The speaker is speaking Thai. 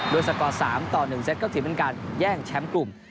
สกอร์๓ต่อ๑เซตก็ถือเป็นการแย่งแชมป์กลุ่ม